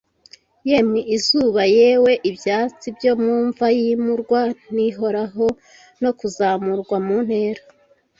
Yemwe izuba-yewe ibyatsi byo mu mva - Yimurwa rihoraho no kuzamurwa mu ntera,